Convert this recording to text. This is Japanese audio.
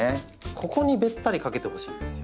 ここにべったりかけてほしいんですよ。